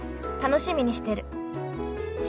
楽しみにしてる」